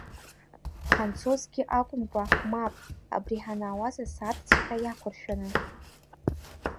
Ҳанцозгьы акәымкәа, мап абри ҳанаауаз асааҭҵәҟьа иақәыршәаны!